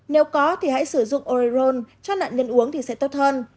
nếu có thì hãy sử dụng oreol cho nặn nhân uống thì sẽ tốt hơn